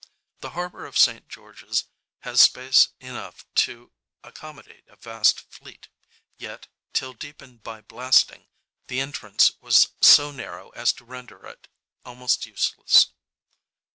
The harbour of St George's has space enough to accommodate a vast fleet; yet, till deepened by blasting, the entrance was so narrow as to render it almost useless.